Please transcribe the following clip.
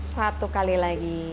satu kali lagi